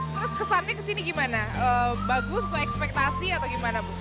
terus kesannya kesini gimana bagus sesuai ekspektasi atau gimana bu